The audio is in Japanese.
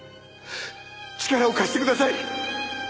力を貸してください！